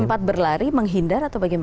sempat berlari menghindar atau bagaimana